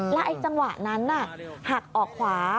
แล้วไอ้จังหวะนั้นหักออกขวา